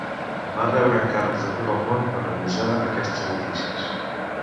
Va rebre encàrrecs de tot el món per realitzar aquests edificis.